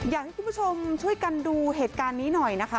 อยากให้คุณผู้ชมช่วยกันดูเหตุการณ์นี้หน่อยนะคะ